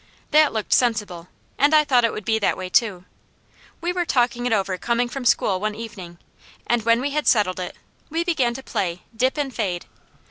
That looked sensible, and I thought it would be that way, too. We were talking it over coming from school one evening, and when we had settled it, we began to play "Dip and Fade."